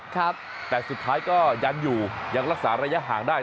ครับแต่สุดท้ายก็ยันอยู่ยังรักษาระยะห่างได้